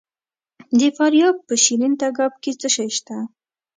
د فاریاب په شیرین تګاب کې څه شی شته؟